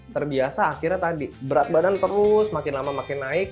terbiasa akhirnya tadi berat badan terus makin lama makin naik